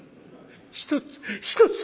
一つ一つ」。